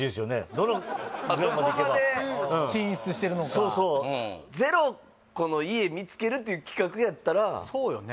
どこまで進出してるのか０個の家見つけるっていう企画やったらそうよね